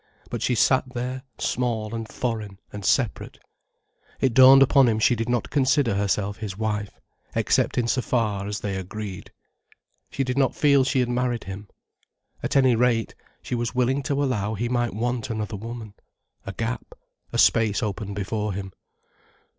But she sat there, small and foreign and separate. It dawned upon him she did not consider herself his wife, except in so far as they agreed. She did not feel she had married him. At any rate, she was willing to allow he might want another woman. A gap, a space opened before him.